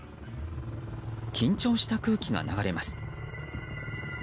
緊張した空気が流れます。